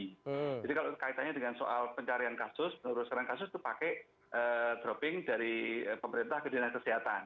jadi kalau kaitannya dengan soal pencarian kasus penelurusan kasus itu pakai dropping dari pemerintah ke dinas kesehatan